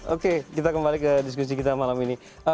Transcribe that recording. oke kita kembali ke diskusi kita malam ini